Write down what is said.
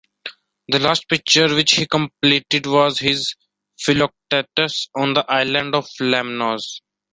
The last picture which he completed was his "Philoctetus on the Island of Lemnos".